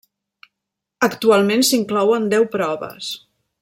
Actualment s'inclouen deu proves.